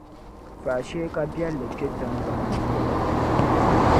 faashee kabiɛlli kpe tiŋgban’ ni pooi.